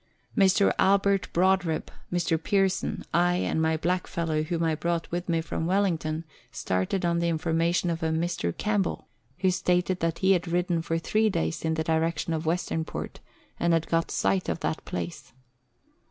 Mr. Albert Brodribb, Mr. Pearson, I, and my black fellow whom I brought with me from Wellington, started on the information of a Mr. Campbell, who stated that he had ridden for three days in the direction of Western Port, and had got sight of that place.